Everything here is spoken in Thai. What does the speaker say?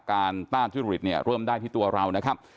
ต้านทุจริตเนี่ยเริ่มได้ที่ตัวเรานะครับ